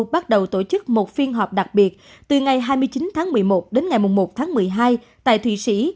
bắt đầu tổ chức một phiên họp đặc biệt từ ngày hai mươi chín tháng một mươi một đến ngày một tháng một mươi hai tại thụy sĩ